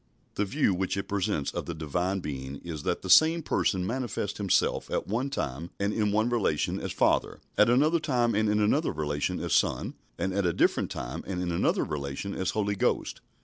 The view which it presents of the Divine Being is that the same Person manifests Himself at one time and in one relation as Father, at another time and in another relation as Son, and at a different time and in another relation as Holy Ghost.